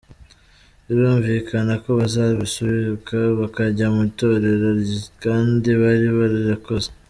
Birumvikana ko bazabisubika bakajya mu itorero kandi bari bararikoze.